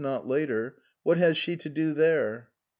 Not later. What is she doing there?"